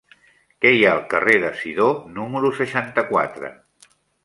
Què hi ha al carrer de Sidó número seixanta-quatre?